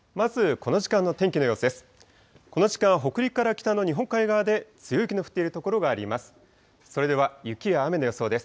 この時間、北陸から北の日本海側で強い雪の降っている所があります。